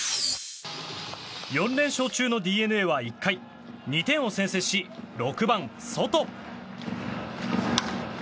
４連勝中のＤｅＮＡは１回２点を先制し６番、ソト。